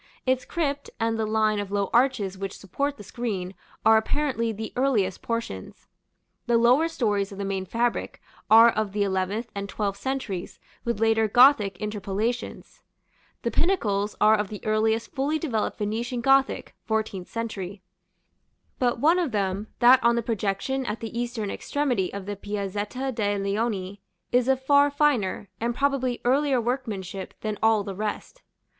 Its crypt, and the line of low arches which support the screen, are apparently the earliest portions; the lower stories of the main fabric are of the eleventh and twelfth centuries, with later Gothic interpolations; the pinnacles are of the earliest fully developed Venetian Gothic (fourteenth century); but one of them, that on the projection at the eastern extremity of the Piazzetta de Leoni, is of far finer, and probably earlier workmanship than all the rest.